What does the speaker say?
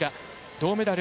銅メダル